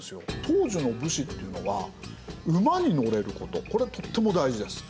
当時の武士っていうのは馬に乗れることこれとっても大事です。